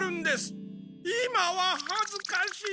今ははずかしい。